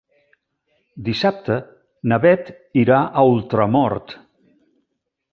Dissabte na Beth irà a Ultramort.